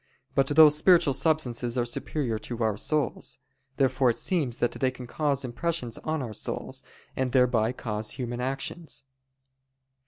But those spiritual substances are superior to our souls. Therefore it seems that they can cause impressions on our souls, and thereby cause human actions.